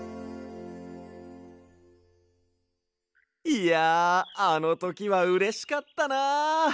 いやあのときはうれしかったな。